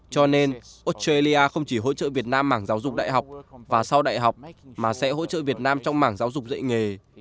cho nên australia không chỉ hỗ trợ việt nam mảng giáo dục đại học và sau đại học mà sẽ hỗ trợ việt nam trong mảng giáo dục dạy nghề